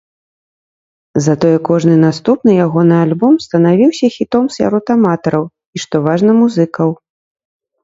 Затое кожны наступны ягоны альбом станавіўся хітом сярод аматараў, і што важна, музыкаў.